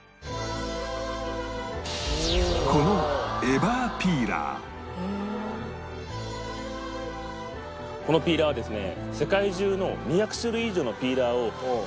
このこのピーラーはですね。